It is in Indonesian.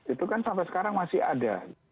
itu kan sampai sekarang masih ada